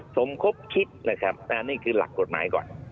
สมคบคิดนะครับอันนี้คือหลักกฎหมายก่อน